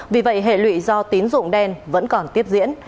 vì vậy hệ lụy do tín dụng đen vẫn còn tiếp diễn